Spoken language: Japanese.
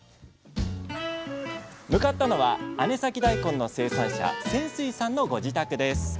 向かったのは姉崎だいこんの生産者泉水さんのご自宅です